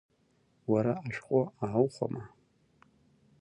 Уара ашәҟәы ааухәама?